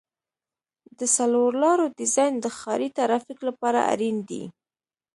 د څلور لارو ډیزاین د ښاري ترافیک لپاره اړین دی